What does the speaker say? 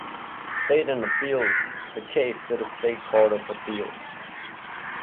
They then appealed the case to the state Court of Appeals.